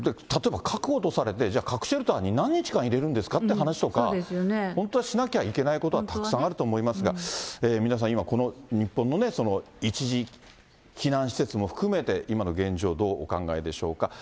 例えば核落とされて、じゃあ核シェルターに何日間いれるんですかっていう話とか、本当はしなきゃいけないことはたくさんあると思いますが、皆さん、今、この日本の一時避難施設も含めて、今の現状をどうお考えでしょうか。